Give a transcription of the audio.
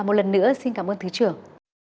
một lần nữa xin cảm ơn thứ trưởng